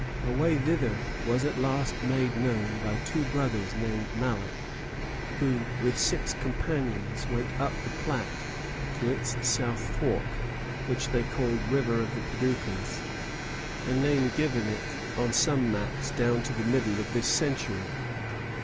A way thither was at last made known by two brothers named Mallet, who with six companions went up the Platte to its South Fork, which they called River of the Padoucas, a name given it on some maps down to the middle of this century.